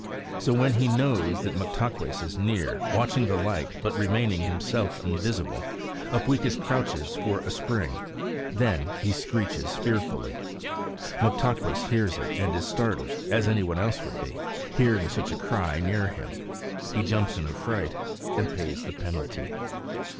So when he knows that Moktaques is near, watching the light, but remaining himself invisible, Upweekis crouches for a spring; then he screeches fearfully. Moktaques hears it and is startled, as anybody else would be, hearing such a cry near him. He jumps in a fright and pays the penalty.